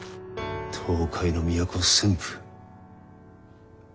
東海の都駿府。